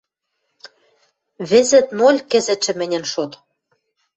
Вӹзӹт — ноль кӹзӹтшӹ мӹньӹн шот.